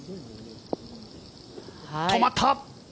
止まった！